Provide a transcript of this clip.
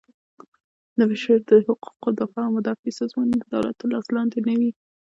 د بشر د حقوقو مدافع سازمانونه د دولت تر لاس لاندې نه وي.